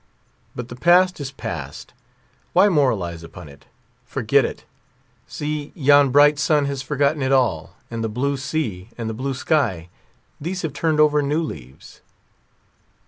But the past is passed; why moralize upon it? Forget it. See, yon bright sun has forgotten it all, and the blue sea, and the blue sky; these have turned over new leaves."